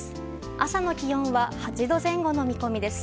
朝の気温は８度前後の見込みです。